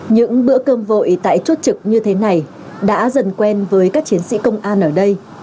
những bữa cơm vội tại chốt trực như thế này đã dần quen với các chiến sĩ công an ở đây